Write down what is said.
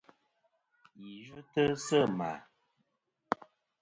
Ghi yvɨtɨ sɨ ma.